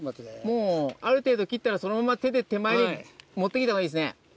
もうある程度切ったらそのまま手で手前に持って来たほうがいいですね。